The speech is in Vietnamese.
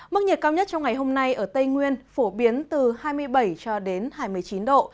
mức nhiệt cao nhất trong ngày hôm nay ở tây nguyên phổ biến từ hai mươi bảy cho đến hai mươi chín độ